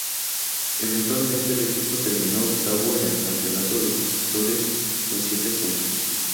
Eventualmente el equipo terminó octavo en el Campeonato de Constructores con siete puntos.